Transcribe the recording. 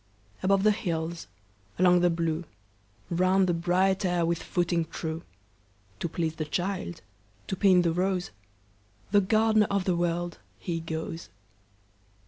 Above the hills, along the blue, Round the bright air with footing true, To please the child, to paint the rose, The gardener of the World, he goes.